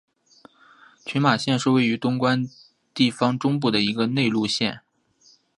群马县是位于关东地方中部的一个内陆县。